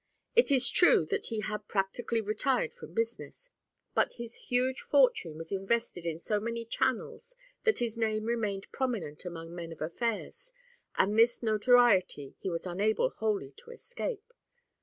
It is true that he had practically retired from business, but his huge fortune was invested in so many channels that his name remained prominent among men of affairs and this notoriety he was unable wholly to escape.